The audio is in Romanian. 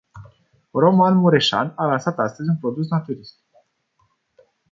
Roman Mureșan a lansat astăzi, un produs naturist.